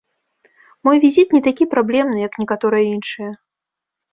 Мой візіт не такі праблемны, як некаторыя іншыя.